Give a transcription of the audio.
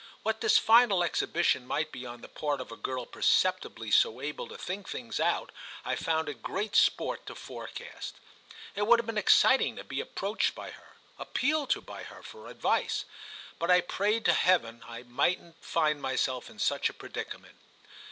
What this final exhibition might be on the part of a girl perceptibly so able to think things out I found it great sport to forecast. It would have been exciting to be approached by her, appealed to by her for advice; but I prayed to heaven I mightn't find myself in such a predicament.